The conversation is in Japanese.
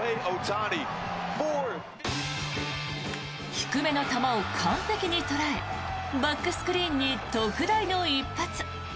低めの球を完璧に捉えバックスクリーンに特大の一発。